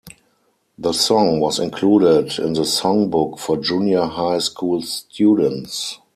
The song was included in the songbook for Junior High School students.